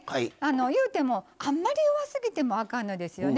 言うても、あんまり弱すぎてもあかんのですよね。